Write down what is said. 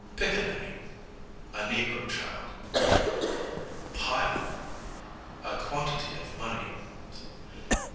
Picaninny, a negro child. Pile, a quantity of money.